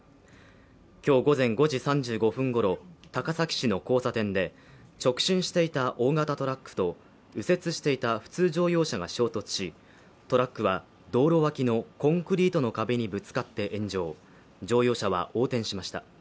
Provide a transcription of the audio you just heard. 今日午前５時３５分ごろ、高崎市の交差点で直進していた大型トラックと右折していた普通乗用車が衝突しトラックは道路脇のコンクリートの壁にぶつかって炎上乗用車は横転しました。